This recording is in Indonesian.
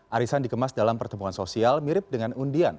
arisan dikemas dalam pertemuan sosial mirip dengan undian